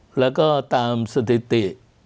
เพราะตามสถิติ